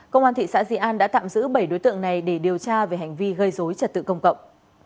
công an thị xã di an đã tạm giữ bảy đối tượng này để điều tra về hành vi gây dối trật tự công cộng